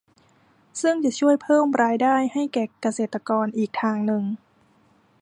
ซึ่งจะช่วยเพิ่มรายได้ให้แก่เกษตรกรอีกทางหนึ่ง